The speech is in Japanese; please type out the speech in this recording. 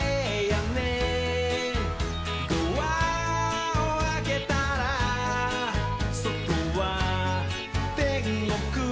「ドアをあけたらそとはてんごく」